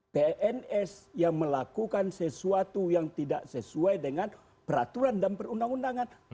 pns yang melakukan sesuatu yang tidak sesuai dengan peraturan dan perundang undangan